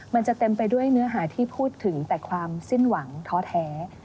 มันจะเต็มไปด้วยเนื้อหาที่พูดถึงแต่ความสิ้นหวังท้อแท้